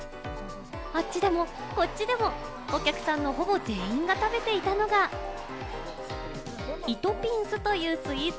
あっちでもこっちでも、お客さんのほぼ全員が食べていたのが、糸ピンスというスイーツ。